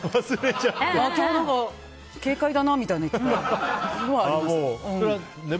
今日、軽快だなみたいなことはあります。